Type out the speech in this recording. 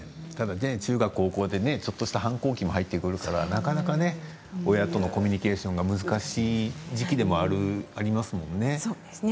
中学高校で、ちょっとした反抗期も入ってくるから親とのコミュニケーションが難しい時期でもありますよね。